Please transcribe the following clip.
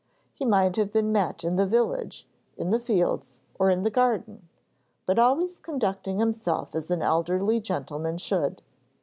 He might have been met in the village, in the fields, or in the garden, but always conducting himself as an elderly gentleman should.